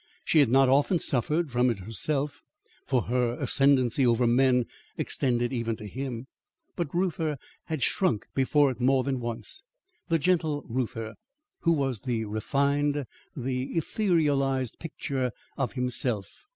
She had not often suffered from it herself, for her ascendency over men extended even to him. But Reuther had shrunk before it more than once the gentle Reuther, who was the refined, the etherealised picture of himself.